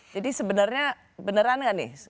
jadi sebenarnya beneran gak nih